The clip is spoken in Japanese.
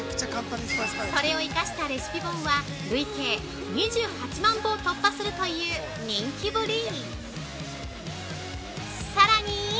それを生かしたレシピ本は、累計２８万部を突破するという人気ぶり。